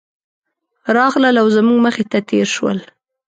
راغلل او زموږ مخې ته تېر شول.